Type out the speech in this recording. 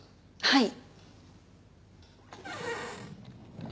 はい。